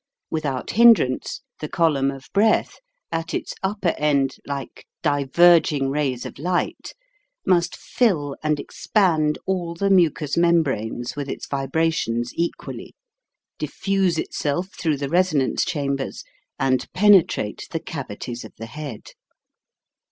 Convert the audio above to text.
Without hindrance the column of breath, at its upper end like diverging rays of light, 192 HOW TO SING must fill and expand all the mucous mem branes with its vibrations equally, diffuse itself through the resonance chambers and penetrate the cavities of the head.